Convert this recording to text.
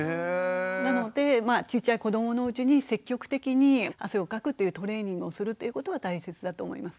なのでちっちゃい子どものうちに積極的に汗をかくっていうトレーニングをするっていうことは大切だと思います。